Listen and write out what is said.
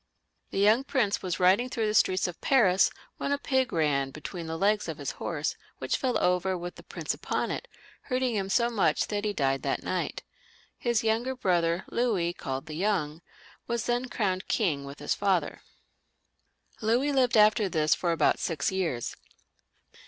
The young prince was riding through the streets of Paris when a pig ran between the legs of his horse, which feU over with the prince upon it, hurting him so much that he died that night. His younger brother, Louis, called the Young, was then crowned king with his father. Louis lived after this for about six years.